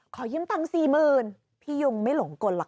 ขอยิ้มตัง๔๐๐๐๐พี่ยุงไม่หลงกลล่ะค่ะ